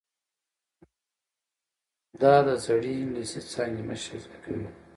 دا د زړې انګلیسي څانګې مشري کوي.